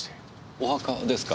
お墓ですか？